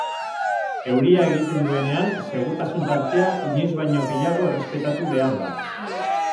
Euria egiten duenean segurtasun-tartea inoiz baino gehiago errespetatu behar da.